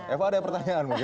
eva ada pertanyaan mungkin